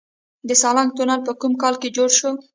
د سالنګ تونل په کوم کال جوړ شو؟